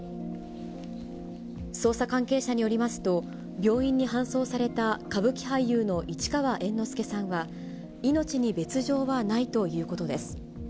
捜査関係者によりますと、病院に搬送された歌舞伎俳優の市川猿之助さんは、命に別状はないということです。